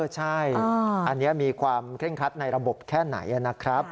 ใช่อันนี้มีความเคร่งครัดในระบบแค่ไหนนะครับ